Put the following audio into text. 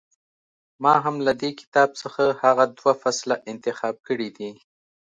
ما هم له دې کتاب څخه هغه دوه فصله انتخاب کړي دي.